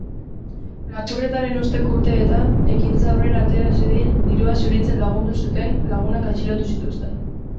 Lapurretaren osteko urteetan, ekintza aurrera atera zedin dirua zuritzen lagundu zuten lagunak atxilotu zituzten.